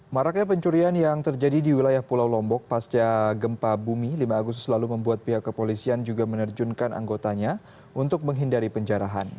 maraknya pencurian yang terjadi di wilayah pulau lombok pasca gempa bumi lima agustus lalu membuat pihak kepolisian juga menerjunkan anggotanya untuk menghindari penjarahan